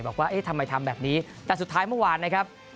บอกว่าเอ๊ะทำไมทำแบบนี้แต่สุดท้ายเมื่อวานนะครับ